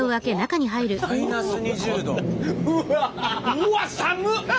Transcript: うわっ寒っ！